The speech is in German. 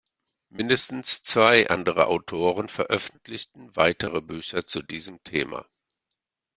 Mindestens zwei andere Autoren veröffentlichten weitere Bücher zu diesem Thema.